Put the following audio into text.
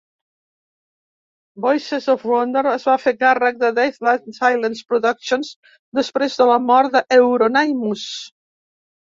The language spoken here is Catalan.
Voices of Wonder es va fer càrrec de Deathlike Silence Productions després de la mort d'Euronymous.